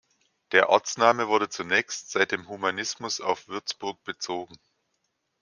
Der Ortsname wurde zunächst, seit dem Humanismus, auf Würzburg bezogen.